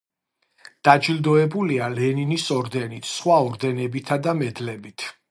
დაჯილდოებულია ლენინის ორდენით, სხვა ორდენებითა და მედლებით.